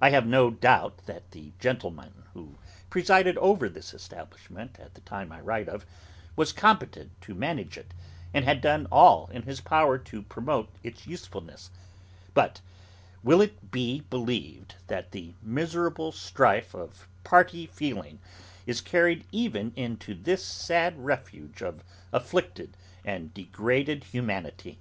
I have no doubt that the gentleman who presided over this establishment at the time I write of, was competent to manage it, and had done all in his power to promote its usefulness: but will it be believed that the miserable strife of Party feeling is carried even into this sad refuge of afflicted and degraded humanity?